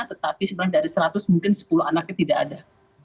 tetapi sebenarnya dari seratus mungkin sepuluh anaknya tidak ada